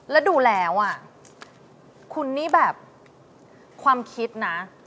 แล้วดูแล้วอ่ะคุณนี่แบบความคิดนะ